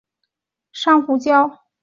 本鱼栖息于珊瑚礁。